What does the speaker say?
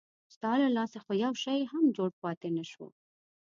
ستا له لاسه خو یو شی هم جوړ پاتې نه شو.